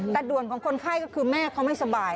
แต่ด่วนของคนไข้ก็คือแม่เขาไม่สบาย